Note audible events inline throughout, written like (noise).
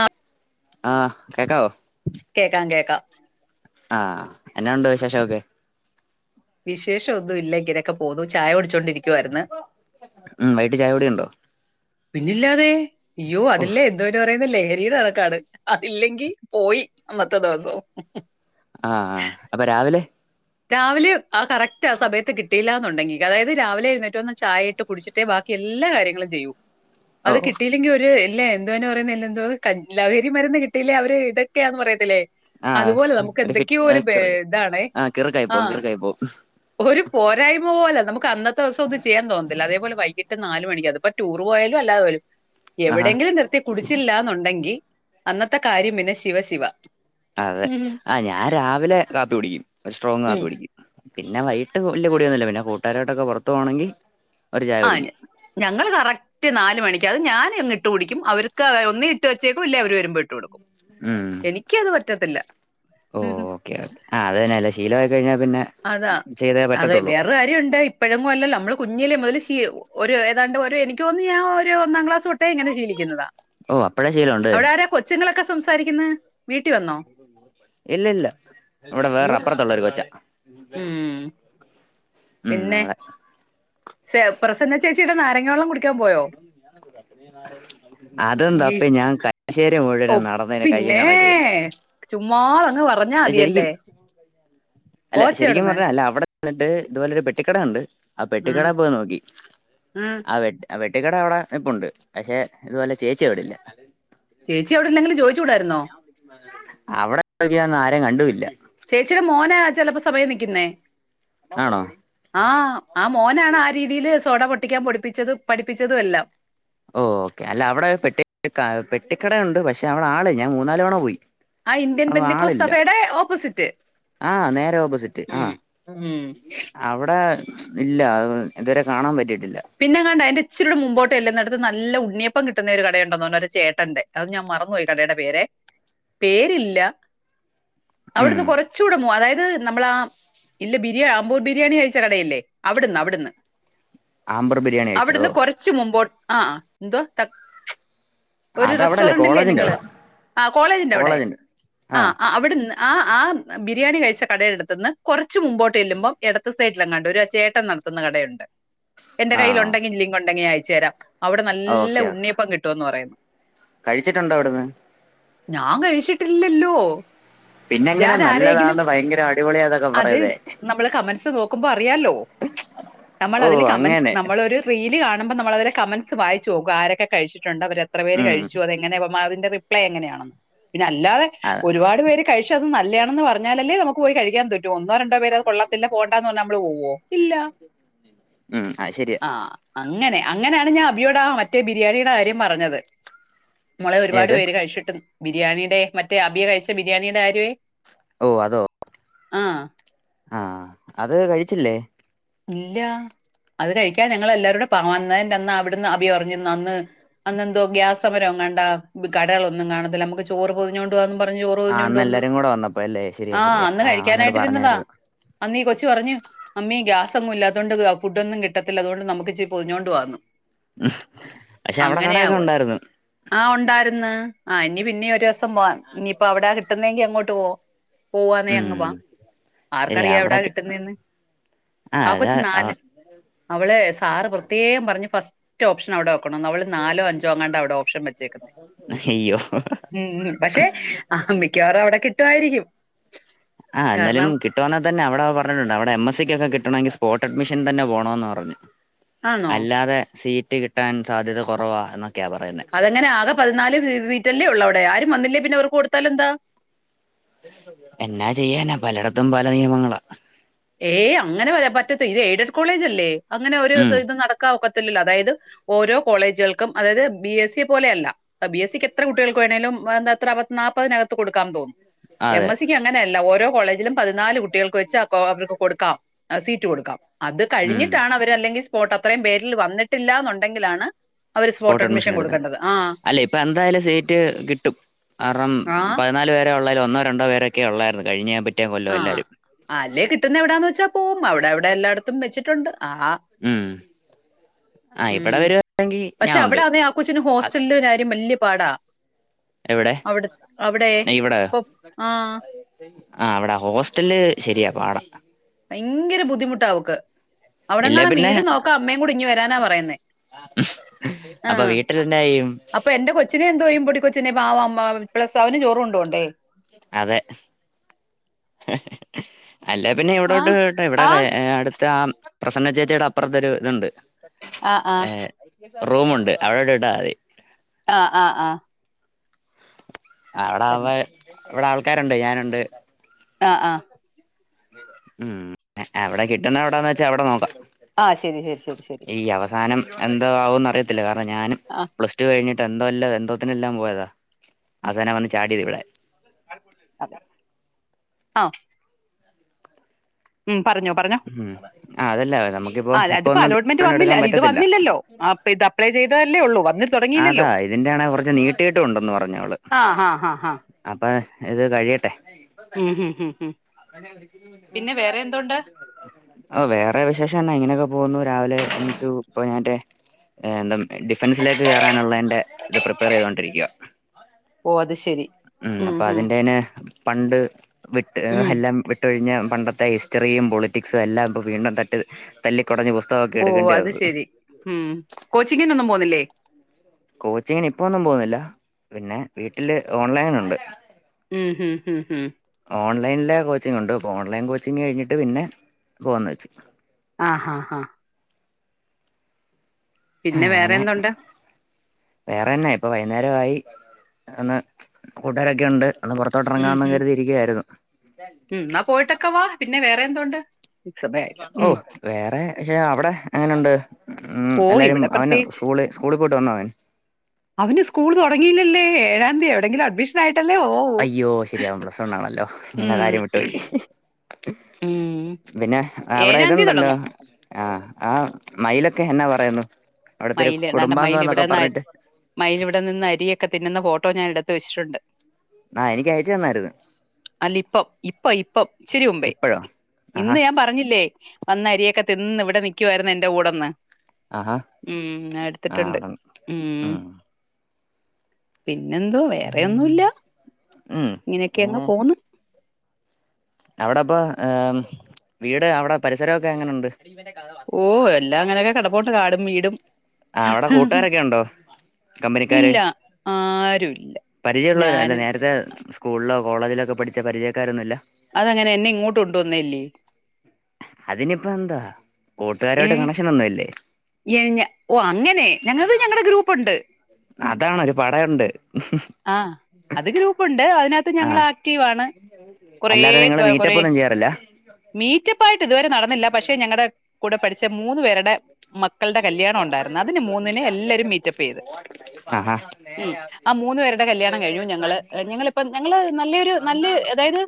ആഹ്. ആഹ് കേക്കാവോ? കേക്കാം കേക്കാം. ആഹ് എന്നാ ഒണ്ട് വിശേഷൊക്കെ? വിശേഷം ഒന്നും ഇല്ല ഇങ്ങനൊക്കെ പോന്നു, ചായ കുടിച്ചോണ്ടിരിക്കുവായിരുന്നു. ഉം വൈകിട്ട് ചായ കുടി ഉണ്ടോ പിന്നില്ലാതെ ഇയ്യോ ഓ അതില്ലേ എന്തോ (unintelligible) പറയുന്നല്ലേ. (unintelligible) അതില്ലെങ്കി പോയി അന്നത്തെ ദിവസം. ആഹ് ആഹ് അപ്പൊ രാവിലെ രാവിലെ ആ കറക്റ്റ് ആ സമയത്ത് കിട്ടിയില്ലന്ന് ഒണ്ടെങ്കി അതായത് രാവിലെ എഴുന്നേറ്റ് വന്ന് ചായയിട്ട് കുടിച്ചിട്ടെ ബാക്കി എല്ലാ കാര്യങ്ങളും ചെയ്യൂ. ഓ അത് കിട്ടിയില്ലെങ്കി ഒരു എൽ ഇല്ലേ എന്തുവാ പറയുന്നേ (unintelligible) എന്തോ ക ലഹരി മരുന്ന് കിട്ടീല്ലേ അവര് ഇതൊക്കെയാന്ന് പറയത്തില്ലേ ആഹ് അതുപോലെ നമുക്ക് എന്തൊക്കെയോ ഫിറ്റ് ഒരു ബേ ഇതാണെ ആഹ് കിറുക്കായി പോവും ആഹ് കിറുക്കായി പോവും ഒരു പോരായ്മ പോ പോലാ നമുക്ക് അന്നത്തെ ദിവസം ഒന്നും ചെയ്യാൻ തോന്നത്തില്ല അതേപോലെ വൈകിട്ട് നാല് മണിക്കും അതിപ്പോ ടൂർ പോയാലും അല്ലാതെ പോയാലും. ആഹാ എവിടെയങ്കിലും നിർത്തി കുടിച്ചില്ലാന്നൊണ്ടെങ്കി അന്നത്തെ കാര്യം പിന്നെ ശിവ ശിവ. അതെ ആഹ് ഞാൻ രാവിലെ കാപ്പി കുടിക്കും സ്ട്രോങ്ങ് ഉം കാപ്പി കുടിക്കും, പിന്നെ വൈട്ട് വല്ല്യ കൂടിയൊന്നുമില്ല പിന്നെ കൂട്ടുകാരായിട്ടൊക്കെ പൊറത്തു പോവാണെങ്കി ആഹ് (unintelligible) ഞങ്ങള് കറക്റ്റ് നാല് മണി ക്കും അത് ഞാന് അങ്ങ് ഇട്ട് കുടിക്കും, അവർക്ക് ഒന്നേ ഇട്ട് വച്ചേക്കും ഇല്ലേ അവര് വരുമ്പോ ഇട്ട് കൊടുക്കും. ഉം എനിക്കത് പറ്റത്തില്ല. ഓക്കെ ഓക്കെ ആഹ് അത് തന്നെ അല്ലേ ശീലമായി കഴിഞ്ഞാൽ പിന്നെ അതാ ചെയ്തേ അതെ പറ്റത്തുള്ളൂ വേറൊരു കാര്യൊണ്ട് ഇപ്പഴെങ്ങും അല്ലല്ലോ നമ്മള് കുഞ്ഞി കുഞ്ഞിലെ മുതല് ശീ ഒരു ഏതാണ്ട് ഒരു എനിക്ക് തോന്നുന്ന് ഞാൻ ഒരു ഒന്നാം ക്ലാസ് തൊട്ട് ട്ടെ ഇങ്ങനെ ശീലിക്കുന്നതാ ഓ അപ്പഴേ ശീലമുണ്ട് അവിടാരാ കൊച്ചുങ്ങളെക്ക് ക്കെ സംസാരിക്കുന്നെ വീട്ടി വന്നോ ഇല്ല ഇല്ല ഇവിടെ വേറെ അയ്യോ അപ്പുറത്തുള്ളൊരു കൊച്ച ഉം ഉം അവിടെ സെ പ്രസന്ന ചേച്ചിടെ നാരങ്ങ വളള്ളം കുടി അതെന്താ ഈ അപ്പൊ ഞാൻ കാ ശെ ഓ പിന്നെ ചുമ്മാതാങ്ങ് പറഞ്ഞാ അത് ശരിക്കും മതിയല്ലേ അല്ല ശരിക്കും പോച്ചെവിടുന്ന് പറഞ്ഞ അല്ല അവിടെ ചെന്നിട്ട് ഇതുപോലെ ഒരു പെട്ടിക്കട ഉണ്ട് ആ ഉം പെട്ടിക്കട പോയി നോക്കി ഉം ആഹ് പെ പെട്ടിക്കട അവിടെ ഇപ്പുണ്ട് പക്ഷെ ഇതുപോലെ ചേച്ചി ആവിടില്ല ചേച്ചി അവിടെ ഇല്ലെങ്കിലും ചോദിച്ചുകൂടായിരുന്നോ അവിടെക്കിയന്ന ആരേം കണ്ടുഇല്ല ചേച്ചിയുടെ മോനാ ചിലപ്പോ സമയം നിക്കുന്നേ ആണോ ആഹ് ആ മോനാണ് ആ രീതിൽ സോട പൊട്ടിക്കാൻ പൊടിപ്പിച്ചതു പഠിപ്പിച്ചതും എല്ലാം ഓ ഓക്കെ അല്ല അവിടെ പെട്ടി കാ പെട്ടിക്കട ഉണ്ട് പക്ഷെ അവിടെ ആള് ഞാൻ മൂന്നാലവാണ പോയി ആ ഇന്ത്യൻ അവിടെ ആളില്ല ബന്ദക്കോസ്ഫടെ ഓപ്പോസിറ്റ് ആ നേരെ ഓപ്പോസിറ്റ് ഉം ആഹ് ഉം അവിടെ ഇല്ല അയ് (unintelligible) ഇതുവരെ കാണാൻ പറ്റിട്ട് പിന്നെങ്ങണ്ട് ആയ്ന്റെ ഇച്ചിരുടെ മുമ്പോട്ടല്ല്ന്നാടത് നല്ല ഉണയപ്പം കിട്ടുന്ന ഒരു കടയുണ്ടന്ന് പറഞ്ഞ ഒരു ചേട്ടന്റെ അത് ഞാൻ മറന്നുപോയി കടെടെ പേരെ പേരില്ല ഉം അവിടുന്ന് കുറച്ചുടെ മു അതായത് നമ്മള ആം ഇല്ല ബിരിയാ അമ്പൂർ ബിരിയാണി അകായ്ച്ച കട ഇല്ലേ അവിടുന്ന് അവിടുന്ന് ആമ്പർ ബിരിയാണി അവിടുന്ന് കഴിച്ചതോ കൊറച്ച് മുമ്പോ ആഹ് ആഹ് എന്ത്‌വാ തക് ഒരു അതവിടല്ലേ റെസ്റ്റോറന്റില്ലേ കോളേജിന്റെ നിങ്ങള് അവിടെ ആഹ് കോളേജിന്റെ അവിടെ കോളേജ്ണ്ട് ആഹ് ആഹ് അവിടുന്ന് ആഹ് ആഹ് ബിരിയാണി കഴിച്ച കടെഎടുത്തുന്ന് കുറച്ച് മുമ്പോട്ട് ചെല്ലുമ്പോ എടത്തു സൈഡിലെങ്ങാണ്ട് ഒരു ചേട്ടൻ നടത്തുന്ന കടഉണ്ട് എന്റെ കയ്യിൽ ആണോ ഉണ്ടങ്കി ലിങ്ക് ഉണ്ടങ്ങി അയച്ചു തരാം അവിടെ നല്ല ഓക്കെ ഓക്കെ ഉണ്ണിയപ്പം കിട്ടുഎന്ന് പറയുന്നു കഴിച്ചിട്ടുണ്ടോ അവിടുന്ന് ഞാൻ കഴിച്ചിട്ടില്ലല്ലോ. പിന്നെ എങ്ങനെ ഞാൻ ആരേങ്കിലും നല്ലതാന്ന് ഭയങ്കര അടിപൊളിയാന്നൊക്കെ അത് പറയുന്നേ നമ്മള് കമൻസ് നോക്കുമ്പോ അറിയാല്ലോ. നമ്മള് ഓ അതില് കമൻറ്സ് അങ്ങനെ നമ്മളൊരു റീല് കാണ ണുമ്പം നമ്മളതില് കമന്റ്സ് വായിച്ചോക്കും. ആരൊക്കെ കഴിച്ചിട്ടുണ്ട്. അവര് എത്ര പേര് ഉം കഴിച്ചു. അതങ്ങനെ അതിന്റെ റി പ്ലൈ എങ്ങനെയണെന്ന്. പിന്നെ അല്ലാതെ അത ഒരുപാട് പേര് കഴിച്ച അത് നല്ലയാണെന്ന് പറഞ്ഞാല് അല്ലേ നമുക്ക് പോയി കഴിക്കാൻ പറ്റോ? ഒന്നോ, രണ്ടോ പേര് അത് കൊള്ളത്തില്ല പോണ്ടാന്ന് പറഞ്ഞാൽ നമ്മൾ പോവോ ഇല്ല. ഉം അത് ശരിയാ ആ അങ്ങനെ അങ്ങനെയാണ് ഞാൻ അ അബിയോട ആ മറ്റേ ബിരിയാണിയുടെ കാര്യം പറഞ്ഞത് മോളെ ഒരുപാട് ഏത് പേര് കഴിച്ചിട്ടു ബിരിയാണീടെ മറ്റേ അബി കഴിച്ച ബിരിയാണീടെ കാര്യമേ ഓഹ് അതോ. ആഹ് ആഹ് അത് കഴിച്ചില്ലേ? ഇല്ല. അത് കഴിക്കാൻ ഞങ്ങള് എല്ലാരുംടെ വന്നേന്റ അന്നാ അവ്ടുന്ന് അഭി പറിഞ്ഞി അന്ന് അന്നെന്തോ ഗ്യാസ് സമരം എങ്ങാണ്ട കടകളൊന്നും കാണത്തില്ല നമുക്ക് ചോറ് പൊതിഞ്ഞ് കൊണ്ട് പോ പറഞ്ഞ് ചോറ് ആഹ് പൊതിഞ്ഞോണ്ട് അന്ന് വന്ന് എല്ലാരും കൂടെ വന്നപ്പോ അല്ലേ ശരിയാ ആഹ് ശരിയാ അന്ന് അവനോട് കഴിക്കാനായിട്ടിരുന്നതാ പറഞ്ഞായിരുന്നു അന്നീ കൊ ച്ച് പറഞ്ഞു. മമ്മി ഗ്യാസൊന്നും ഇല്ലാത്തോണ്ട് ഫുഡൊന്നും കിട്ടത്തില്ല അതുകൊണ്ട് നമുക്ക് ച്ചി പൊതിഞ്ഞോണ്ട് പോവാന്ന്. പക്ഷെ അവിടെ അങ്ങനെയാ കടയൊക്കെ പോയെ ഉണ്ടായിരുന്നു ആഹ് ഉ ണ്ടാര്ന്ന്. ആ ഇഞ്ഞി പിന്നീ ഒരോസം പോവാം. ഇഞ്ഞിപ്പോ അവടെ കിട്ടുന്നെങ്കി അങ്ങോട്ട് പോവും. പോവാന്നേ ഉം അങ്ങ് വാം. ശരിയാ ആർക്കറിയാ എവിടാ അവിടൊക്കെ കിട്ടുന്നേന്ന്. ആഹ് ആ അതാ കൊച്ച് നാല് അവള് സാറ് പ്രത്യേകം പർഞ്ഞ് ഫസ്റ്റ് ഓപ്ഷൻ അവിടെ വെക്കണം ന്ന് അവള് നാലോ, അഞ്ചോ അങ്ങാണ്ട അവ്ടെ ഓപ്ഷൻ വെച്ചേക്കുന്നെ അയ്യോ ഉം ഉം പഷേ മിക്കവാറും അവിടെ കിട്ടുവായിരിക്കും. ആ എന്നാലും കിട്ടോന്നാ തന്നെവടെ പറഞ്ഞിട്ടുണ്ട്. അവടെ എം എസി ക്ക് ഒക്കെ കിട്ടണെങ്കി കോട്ടഡ്മിഷൻ തന്നെ പോണന്ന് പർഞ്ഞ് ആന്നോ? അല്ലാതെ സീ ട്ടി കിട്ടാൻ സാധ്യത കുറവാ എന്ന അതെങ്ങനെ ആകെ പതിനാല് സീ സീറ്റല്ലേ ഉള്ള അവിടെ ആരും വന്നില്ലേ പിന്നെ അവർക്ക് കൊടുത്താലന്താ എന്നാ ചെയ്യാനാ പലയിടത്തും പല നിയമങ്ങളാ ഏയ് അങ്ങനെ വരാ പറ്റത്ത ഇത് എയ്ഡഡ് കോളേജ് അല്ലേ. അങ്ങനെ ഒരു ഉം സ്ഥലത് നടക്കാ ഒക്ക തെല്ലല്ലോ അതായത് ഓരോ കോളേജുകൾക്കും അതായത് ബി എസ് സി പോലെയല്ല അ ബി എസ് സിക്ക് എത്ര കുട്ടികൾക്ക് വേണേലും വാ തെത്ര പത് നാപ്പഹ് നകത്ത് കൊടുക്കാൻ തോന്നു എം അതെ എസ് സിക്ക് അങ്ങനെയല്ല. ഓരോ കോളേജിലും പതിനാല് കുട്ടികൾക്ക് വെച്ചാ കോ അവര്ക്ക് കൊടുക്കാം. എഹ് സീറ്റ് കൊടുക്കാം. അത് ഉം കഴിഞ്ഞിട്ടാണ് അവര് അല്ലെങ്കി സ് പോട്ട് അത്രയും പേരിൽ വന്നിട്ടില്ലന്നുണ്ടെങ്കിലാണ് അവര് സ്പോർട്ട് അഡ്മിഷൻ കൊടുക്കേണ്ടത്. ആഹ് അല്ലേ ഇപ്പൊ എന്തായാലും സീറ്റ് കിട്ടും. കാരണം ആഹ് പയ്നാല് പേരെ ഉള്ളാലോ ഒന്നോ രണ്ടോേ പെരൊക്കെ ഉള്ളായിരുന്നു കഴിഞ്ഞാ മ്പേ ആഹ് അല്ലേ കിട്ടുന്ന എവിടാന്ന് വെച്ചാ പോവും. അവിടെ അവിടെ എല്ലായിടത്തും വെച്ചിട്ടുണ്ട്. ആ ഉം ആ ഇവിടെ ഉം വരുവാണെങ്കി പക്ഷെ ഞാൻ ഉണ്ട് അവിടെ ആന്നേ ആഹ് കൊച്ചിന് ഹോസ്റ്റലില് കാര്യം വല്യ പാടാ എവിടെ അവിട് അവിടെ പ്പൊ ആഹ് ആഹ് വ്ടെ ഹോസ്റ്റൽല് ശരിയാ പാടം ഭയങ്കര ബുദ്ധിമുട്ടാവക്ക് ഇല്ലേ അവിടങ്ങാണും പിന്നെ വീട് നോക്കാ അമ്മേയും കൂടിഞ്ഞ് വരാനാ പറയുന്നേ അപ്പൊ ആഹ് വീട്ടിലെന്നാ ചെയ്യും അപ്പൊ എന്റെ കൊച്ചിനെ എന്തോയ്യും. മ്പൊട് കൊച്ച്നെ പാവമ്മ പ്ലസാ വന് ചോറുംണ്ടോണ്ടേ അതെ അല്ല പിന്നെ ആഹ് ഇവിടെട്ട് ട്ടേ ഇവിടെ ആഹ് ഏഹ് അടുത്ത ആം പ്രസന്ന ചേച്ചിയുടെ അപ്പുറത്ത് ഒരു ഇതുണ്ട് ആഹ് ഏ ആഹ് റൂമുണ്ട് അവിടെടെ ഇടാറി ആഹ് ആഹ് ആഹ് അവിടെ വരുന്നു അവുമ്പെ ഇവിടെ ആൾക്കാരുണ്ട് ഞാനുണ്ട്. ആഹ് ആഹ് ഉം അ എവിടെ കിട്ട്ന്നെ എവിടാന്ന് വെച്ചാ അവിടെ നോക്കാം, ആഹ് ശരി ശരി ശരി ശരി ഈ അവസാനം എന്തോ ആവൂന്ന് അറിയത്തില്ല, കാരണം ഞാനും ആഹ് പ്ലസ്ടു കഴിഞ്ഞിട്ട് ട്ട് എന്തോ എല്ലാം എന്തോത്തിനെല്ലാം പോയതാ അവസാനം വന്ന് ചാടിയത് ഇവിടെ. അതെ ആഹ് ഉം പറഞ്ഞോ പറഞ്ഞോ ആഹ് അതല്ല നമുക്കിപ്പോ ആ അല്ല, ഇപ്പൊ അതിപ്പോ ഒന്നും അലോട്ട്മെന്റ് തീരുമാനം വന്നില്ല എടുക്കാൻ അല്ല ഇത് പറ്റത്തില്ല. വന്നില്ലല്ലോ അപ്പൊ ഇത് അപ്ലൈ ചെയ്തതല്ലേ ഉള്ളൂ വന്നിട്ട് അതാ തുടങ്ങിയില്ലല്ലോ ഇതിന്റെ ആണെ കൊറച്ച് നീട്ടീട്ടും ഒണ്ടന്ന് പറഞ്ഞു അവള്. ആ ഹാ ഹാ ഹാ അപ്പൊ ഇത് കഴിയട്ടെ. ഉം ഉം ഉം ഉം ഓ വേറെ വിശേഷെന്നാ ഇങ്ങനെയൊക്കെ പോന്നു രാവിലെ എണീച്ചു ഇപ്പ (unintelligible) ഏഹ് എന്താ ഡിഫൻസിലേക്ക് കേറാനുള്ളതിന്റെ പ്രിപ്പയർ ചെയ്തൊണ്ടിരിക്കയാ. ഓഹ് അത് ശെരി ഉം അപ്പൊ അതിന്റെേനെ പണ്ട് വിട്ട് ഉം എല്ലാം വിട്ടൊഴിഞ്ഞ് പണ്ടത്തെ ഹിസ്റ്ററിയും പൊളിറ്റിക്സും എല്ലാം ഇപ്പ വീണ്ടും തട്ടി തല്ലി ഓഹ് അത് ശെരി ഉം കോച്ചിങ്ങിനൊന്നും പോന്നില്ലേ? കോച്ചിങ്ങിന് ഇപ്പൊന്നും പോന്നില്ല, പിന്നെ വീട്ടില് ഓൺലൈനുണ്ട്. ഉം ഉം ഉം ഉം ഓൺലൈനിലെ കോച്ചിങ് ഉണ്ട്, അപ്പ ഓൺലൈൻ കോച്ചിങ് കഴിഞ്ഞിട്ട് പിന്നെ പോകാന്ന് വെച്ചു. ആഹ് ആഹ് ആഹ് പിന്നെ ആഹ് വേറെ അങ്ങനെ എന്തുണ്ട് വേറെന്നാ ഇപ്പൊ വൈന്നേരവായി. ഒന്ന് കൂട്ടുകാരൊക്കെ ഒണ്ട് ഒന്ന് പൊറത്തോട്ട് ഉം എറങ്ങാവെന്നും ഹും കരുതിയിരിക്കുവായിരുന്നു. ഉം ഇന്നാ പോയിട്ടൊക്കെ വാ, പിന്നെ വേറെ എന്തോണ്ട്? ഓഹ് വേറെ പക്ഷെ അവിടെ എങ്ങനെണ്ട് ഉം ഓ എല്ലാരും ഇവിടെ അവന് പ്രത്യേകിച്ച് സ്കൂള് സ്കൂളിൽ പോയിട്ട് വന്നോ അവൻ അവന് സ്കൂൾ തൊടങ്ങിയില്ലല്ലേ ഏഴാം തയതി എവിടെങ്കിലും അഡ്മിഷൻ ആയിട്ട് അയ്യോ ശരിയാ അവൻ പ്ലസ് വണ്ണാണല്ലോ ഞാനാ ഉം കാര്യം വിട്ടു പോയി ഉം പിന്നെ അവിടെ ഏഴാം തീയതി തുടങ്ങും ഇതുണ്ടല്ലോ ആഹ് ആഹ് മയിലൊക്കെ എന്നാ പറയുന്നു അവിടത്തെ ഒരു മയില് താണ്ടെ മയിൽ കുടുംബാംഗം എന്നൊക്കെ ഇവിടെന്ന് പറഞ്ഞിട്ട് മയിൽ ഇവിടെ നിന്ന് അരിയൊക്കെ തിന്നുന്ന ഫോ ട്ടോ ഞാൻ എടുത്ത് വച്ചിട്ടുണ്ട് ആഹ് എനിക്ക് അയച്ചു തന്ന് അല്ല ഇപ്പം ഇപ്പ ഇപ്പം ഇച്ചിരി മുമ്പേ ഇപ്പഴോ ആഹാ ഇന്ന് ഞാൻ പറഞ്ഞില്ലേ വന്ന് അരിയൊക്കെ തിന്ന് ഇവിടെ നിൽക്കുവായിരുന്നു എന്റെ കൂടെന്ന് ആഹാ ഊം ആ ആഹ് എടുത്തിട്ടുണ്ട് അവിടന്ന് ഊം ഉം പിന്നെന്തോ വേറെ ഒന്നുല്ല ഉം ഇങ്ങനെയൊക്കെ അങ്ങ് പിന്നെ പോന്ന് അവിടെപ്പൊ ഏഹ് വീട് അവിടെ പരിസരൊക്കെ എങ്ങനെണ്ട് ഓ എല്ലാം അങ്ങനെയൊക്കെ കിടപ്പുണ്ട് കാടും വീടും ആഹ് അവിടെ കൂട്ടുകാരൊക്കെ ഉണ്ടോ കമ്പനിക്കാര് ഇല്യ ആരുല്ല പരിചയമുള്ളവര അല്ല നേരത്തെ സ്കൂളിലോ കോളേജിലോ ഒക്കെ പഠിച്ച പരിചയക്കാരൊന്നും ഇല്ല അതെങ്ങെനെ എന്നെ ഇങ്ങോട്ട് കൊണ്ടു വന്നല്ലേ അതിനിപ്പം എന്താ കൂട്ടുകാരുമായിട്ട് ഏഹ് കണക്ഷൻ ഒന്നും ഇല്ലേ എങ്ങ ഓ അങ്ങനെ ഞങ്ങക്ക് ഞങ്ങടെ ഗ്രൂപ്പുണ്ട് അതാണൊ ഒരു പറയുണ്ട് ആ അത് ഗ്രൂപ്പുണ്ട് അതിനകത്ത് ഞങ്ങള് ആക്റ്റീവാണ് കൊറേ അല്ലാതെ നിങ്ങള് കൊ കൊറേ മീറ്റപ്പ് ഒന്നും ചെയ്യാറില്ല മീറ്റ് അപ്പ് റ്റപ്പായിട്ട് ഇതുവരെ നടന്നില്ല പക്ഷെ ഞങ്ങടെ കൂടെ പഠിച്ച മൂന്ന് പേരുടെ മക്കൾടെ കല്യാണം ഉണ്ടായിരുന്നു അതിന് മൂന്നിനെ എല്ലരും മീറ്റപ്പ് ചെയ്ത് ആഹാ ഉം അപ്പ് മൂന്ന് പേരുടെ കല്യാണം കഴിഞ്ഞു ഞങ്ങള് ഏഹ് ഞങ്ങള്പ്പം ഞങ്ങള് നല്ലേരു നല്ലെ അതായത്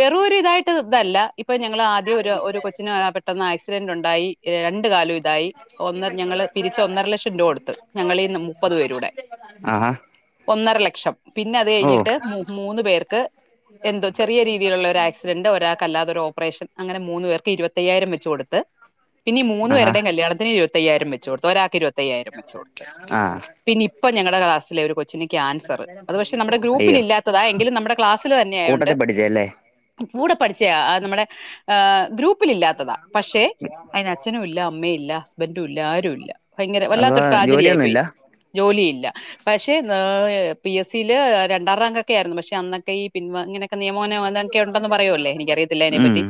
വെറും ഒര് ഇതായി ട്ട് ഇതല്ല ഇപ്പൊ ഞങ്ങള് ആദ്യം ഒരു ഒരു കൊച്ചിനേ പെട്ടെന്ന് ആക്സിഡന്റുണ്ടായി ഏഹ് ര ണ്ട് കാലു ഇതായി ഒന്നെ ഞങ്ങള് പിരിച്ച് ഒന്നര ലക്ഷം രുവാ കൊടുത്ത് ഞങ്ങീന്ന് മുപ്പത് പേരൂടെ ആഹാ ഒന്നര ലക്ഷം പിന്നെ അത് ഓ കഴിഞ്ഞിട്ട് മൂ മൂന്ന് പേർക്ക് എന്തോ ചെറിയ രീതിയിലുള്ള ഒരു ആക്സിഡന്റോ ഒരാക്കല്ലാതൊരു ഓപ്പറേഷൻ അങ്ങനെ മൂന്ന് പേർ ക്ക് ഇരുവത്തയ്യായിരം വെച്ച് കൊട്ത്ത് പിന്നെ ഈ മൂന്ന് ആഹാ പേരുടെയും കല്യാണത്തിന് ഇരുവത്തയ്യായിരം വെച്ച് കൊട്ത്ത് ഒരാക്ക് ഇരുവത്തയ്യായിരം വെച്ച് കൊട്ത്ത് ആഹ് പിന്നെ ഇപ്പ ഞങ്ങളെ ക്ലാസിലെ ഒരു കൊച്ചിന് ക്യാൻസർ അത് പക്ഷെ നമ്മടെ ഗ്രൂപ്പിലില്ലാത്തതാ എങ്കിലും നമ്മടെ ക്ലാസില് തന്നേ കൂട്ടത്തി പഠിച്ചയെല്ലേ ഉം പൂടെ പഠിച്ചയാ ആഹ് നമ്മടെ ഏഹ് ഗ്രൂപ്പിലില്ലാത്തതാ പക്ഷേ അയിന് അച്ഛനുല്ല അമ്മയില്ല ഹസ്ബൻഡുല്ല ആരുല്ല ഭയങ്കര അപ്പൊ വല്ലാത്തൊരു ട്രാജഡിയായി പോയി. ജോലിയൊന്നുമില്ല ജോ ലിയില്ല പക്ഷേ ന്നായ് പി എസ് സില് രണ്ടാം റാങ്കൊക്കായിരുന്നു. പക്ഷേ അന്നൊക്കെ ഈ പിൻവാ ഇങ്ങനെ ക്കെ നിയമോനെ അതൊക്കെ ഒണ്ടെന്ന് പറയൂല്ലേ എനിക്കറിയത്തില്ലാ ഉം അയിനെപ്പറ്റി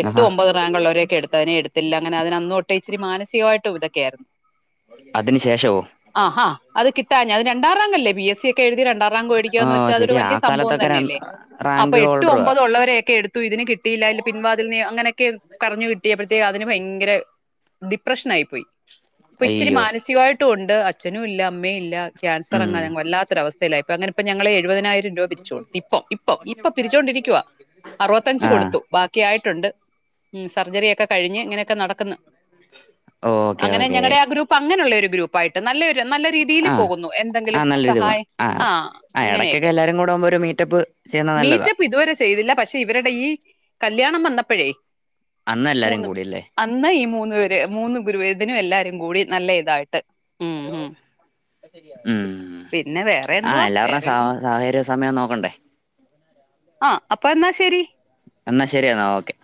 എട്ട് ആഹാ ഒമ്പത് റാങ്കുള്ളവരെക്കെ എടുത്തയിനെ എട് ത്തില്ല അങ്ങനെ അതിന് അന്ന് തൊട്ടെ ഇച്ചിരി മാനസികവായിട്ടും ഇതൊക്കെയായിരുന്നു അതിന് ശേഷവോ ആഹ് ആഹ് അത് കിട്ടാഞ്ഞെ അഹ് രണ്ടാറാങ്കല്ലേ ബി എസ് സിയെ ക്കെ എഴുതി രണ്ടാറാങ്ക് ആ വേടിക്കാന്ന് വെച്ചാ അതൊരു ശരി ആ വല്ല്യാ സംഭവം കാലത്തൊക്കെ ര തന്നെയല്ലേ അപ്പൊ റാങ്ക് എട്ട് ഹോൾഡറുവാ ഒമ്പത് ഉള്ളവരെയൊക്കെ എട്ത്തു ഇതിന് കിട്ടിയില്ലാ അയില് പിൻവാതില്നെയോ അങ്ങനൊക്ക്യെ കരഞ്ഞ് കിട്ടിയപ്പഴ ത്തേന് അതിന് ഭയങ്കര ഡിപ്രഷനായി പോയി. ഇപ്പ ഇച്ചിരി അയ്യോ മാനസികവായിട്ടും ഉണ്ട്. അ ച്ഛനുല്ല അമ്മയില്ല ക്യാൻസറങ്ങാ ഉം അങ്ങ് വല്ലാത്തൊരവസ്ഥയിലായി ഇപ്പങ്ങനെ ഇപ്പ ഞങ്ങളെ ഇരുപതിനായിരം രൂവ പിരിച്ച് കൊട്ത്തു തിപ്പൊ ഇപ്പൊ ഇപ്പൊ പിരിച്ചുകൊണ്ടിരിക്ക്യൂവാ അറുവത്തഞ്ച് ആഹ് കൊടുത്തു ബാക്കിയായിട്ടു ണ്ട് ഉം സർജറിയൊക്കെ കഴിഞ്ഞ് ഇങ്ങനെയൊക്കെ നടക്ക്ന്ന്. ഓക്കെ അങ്ങനെ ഓക്കെ ഞങ്ങടെ ആഹ് ഗ്രൂപ്പ് അങ്ങനെയുള്ളൊരു ഗ്രൂ പ്പായിട്ട് നല്ലെ രു നല്ല രീതീല് ആഹ് പോകുന്നു എന്തെങ്കിലും ആഹ് നല്ലൊരു ഇത് സഹായം ആഹ് ഇടയ്ക്കൊക്കെ അങ്ങനെയെക്കെ എല്ലാരും കൂടെ ആവുമ്പോ ഒരു മീറ്റപ്പ് ചെയ്യുന്നത് നല്ലതാ മീറ്റപ്പ് ഇതുവരെ ചെയ്തില്ല പക്ഷേ ഇവര്ടെ ഈ കല്യാണം വന്നപ്പഴേ അന്ന് എല്ലാരും മൂന്ന് കൂടിയല്ലേ അന്ന് ഈ മൂന്ന് പേര് മൂന്ന് ഗുരുവേദനും എല്ലാരും കൂടി നല്ല ഇതായിട്ട് ഉം ഹലോ ഉം ഉ പിന്നെ വേറെ ആഹ് എന്തുവാ എല്ലാവരുടെ വേറെ സ ഒന്നും സാഹചര്യ സമയം നോക്കണ്ടേ (inaudible) ആഹ് അപ്പൊ എന്നാ ശരി എന്നാ ശരിയെന്നാ ഓക്കെ